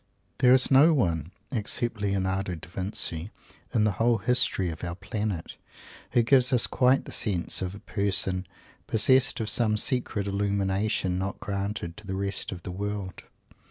There is no one, except Leonardo Da Vinci, in the whole history of our Planet, who gives us quite that sense of a person possessed of some secret illumination not granted to the rest of the world.